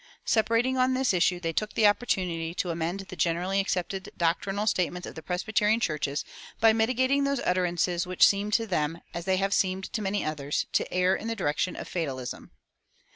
Separating on this issue, they took the opportunity to amend the generally accepted doctrinal statements of the Presbyterian churches by mitigating those utterances which seemed to them, as they have seemed to many others, to err in the direction of fatalism.